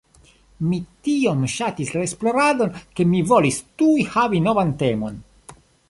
Mi tiom ŝatis la esploradon, ke mi volis tuj havi novan temon.